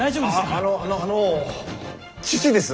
あのあのあの父です。